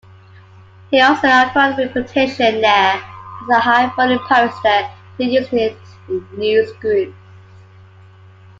He also acquired a reputation there as a high-volume poster to Usenet newsgroups.